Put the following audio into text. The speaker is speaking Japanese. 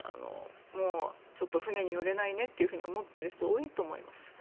もう、ちょっと船に乗れないねと思っている人多いと思います。